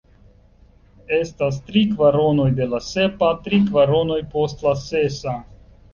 Estas tri kvaronoj de la sepa tri kvaronoj post la sesa.